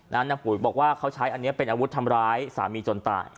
นางปุ๋ยบอกว่าเขาใช้อันนี้เป็นอาวุธทำร้ายสามีจนตาย